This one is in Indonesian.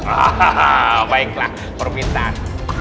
hahaha baiklah permintaan